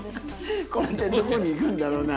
これでどこに行くんだろうな。